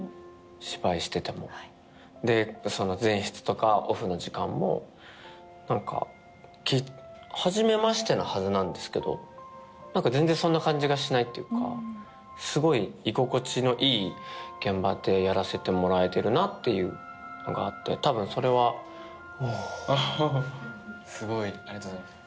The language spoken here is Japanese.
芝居しててもはいでその前室とかオフの時間も何か初めましてなはずなんですけど何か全然そんな感じがしないっていうかすごい居心地のいい現場でやらせてもらえてるなっていうのがあってたぶんそれはすごいありがとうございます